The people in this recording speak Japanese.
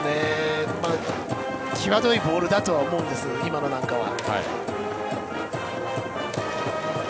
際どいボールだとは思うんです、今のなんかは。